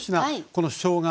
このしょうが